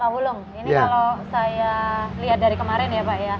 pak wulung ini kalau saya lihat dari kemarin ya pak ya